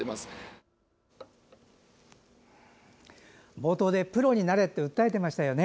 冒頭でプロになれって訴えていましたよね。